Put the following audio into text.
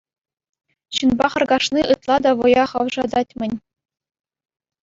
Ҫынпа харкашни ытла та вӑя хавшатать-мӗн.